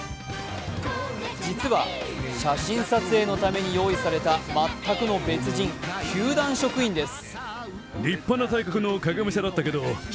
実は写真撮影のために用意された全くの別人、球団職員です。